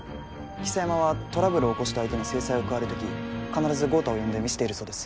象山はトラブルを起こした相手に制裁を加えるとき必ず豪太を呼んで見せているそうです。